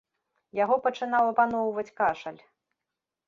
Яго пачынаў апаноўваць кашаль.